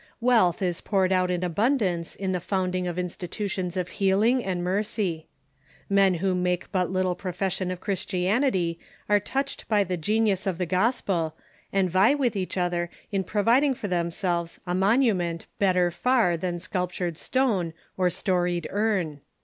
Wealth is poured out in abun dance in the founding of institutions of healing and mercy. Men who make but little profession of Christianity are touched by the genius of the gospel, and vie Avith each other in providing for themselves a monument better far than sculptured stone or storied urn.